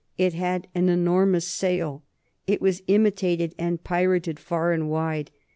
It had an enormous sale; it was imitated and pirated far and wide.